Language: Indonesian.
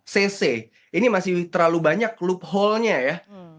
cc ini masih terlalu banyak loophole nya ya